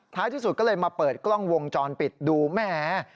ที่สุดก็เลยมาเปิดกล้องวงจรปิดดูแหม